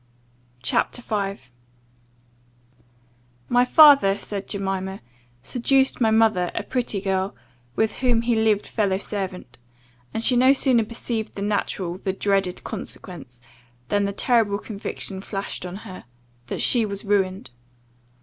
CHAPTER 5 "MY FATHER," said Jemima, "seduced my mother, a pretty girl, with whom he lived fellow servant; and she no sooner perceived the natural, the dreaded consequence, than the terrible conviction flashed on her that she was ruined.